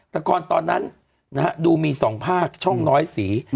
ละครตอนนั้นดูมี๒ภาคช่องน้อยสี